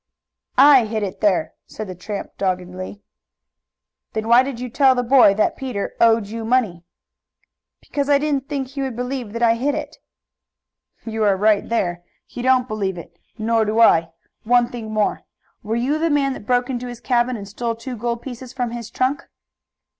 "I hid it there!" said the tramp doggedly. "Then why did you tell the boy that Peter owed you money?" "Because I didn't think he would believe that I hid it." "You are right there. He don't believe it, nor do I. One thing more were you the man that broke into his cabin and stole two gold pieces from his trunk?"